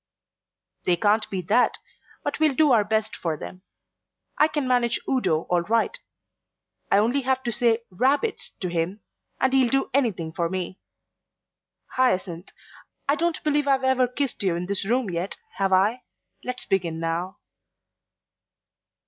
"They can't be that, but we'll do our best for them. I can manage Udo all right. I only have to say 'rabbits' to him, and he'll do anything for me. Hyacinth, I don't believe I've ever kissed you in this room yet, have I? Let's begin now."